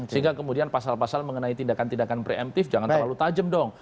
sehingga kemudian pasal pasal mengenai tindakan tindakan preemptif jangan terlalu tajam dong